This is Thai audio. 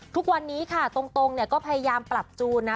ทุกวันนี้ค่ะตรงเนี่ยก็พยายามปรับจูนนะ